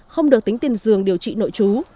không được tính tiền dường điều trị nội trú